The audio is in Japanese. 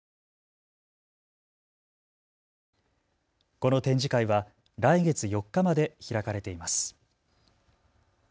この展示会は来月４日まで開かれています。